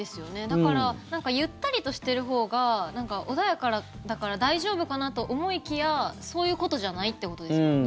だから、ゆったりとしてるほうが穏やかだから大丈夫かなと思いきやそういうことじゃないってことですよね。